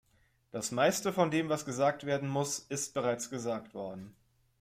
Das meiste von dem, was gesagt werden muss, ist bereits gesagt worden.